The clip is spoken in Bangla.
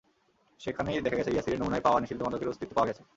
সেখানেই দেখা গেছে ইয়াসিরের নমুনায় পাওয়া নিষিদ্ধ মাদকের অস্তিত্ব পাওয়া গেছে।